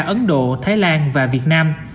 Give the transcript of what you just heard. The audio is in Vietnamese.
ấn độ thái lan và việt nam